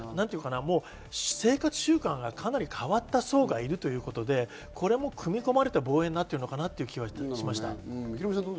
生活習慣がかなり変わった層がいるということで、これも組み込まれた防衛になっているのかなという気はしました。